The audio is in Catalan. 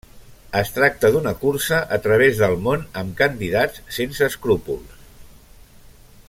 Es tracta d'una cursa a través del món amb candidats sense escrúpols.